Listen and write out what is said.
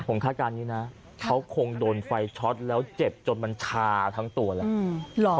ผมคาดการณ์นี้นะเขาคงโดนไฟช็อตแล้วเจ็บจนมันชาทั้งตัวแล้ว